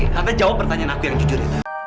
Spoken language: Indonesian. tantang jawab pertanyaan aku yang jujur